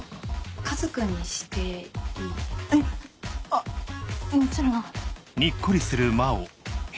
あもちろん。